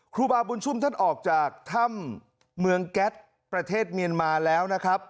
ครูบาบุญชุมท่านออกจากถ้ำเมืองแก๊สประเทศเมียนมาแล้วนะครับ